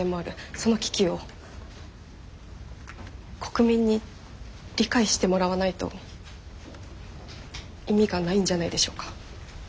その危機を国民に理解してもらわないと意味がないんじゃないでしょうか？